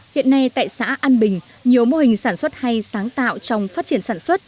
hiện nay tại xã an bình nhiều mô hình sản xuất hay sáng tạo trong phát triển sản xuất